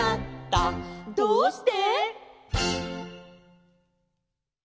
「どうして？」